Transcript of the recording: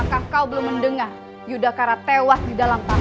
apakah kau belum mendengar yudhakara tewas di dalam pahanan